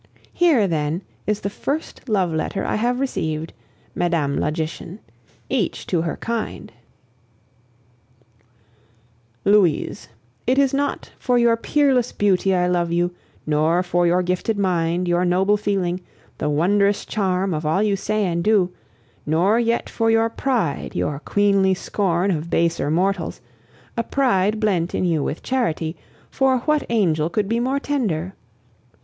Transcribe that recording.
Here, then, is the first love letter I have received, madame logician: each to her kind: "Louise, it is not for your peerless beauty I love you, nor for your gifted mind, your noble feeling, the wondrous charm of all you say and do, nor yet for your pride, your queenly scorn of baser mortals a pride blent in you with charity, for what angel could be more tender?